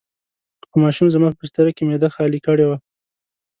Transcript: خو ماشوم زما په بستره کې معده خالي کړې وه.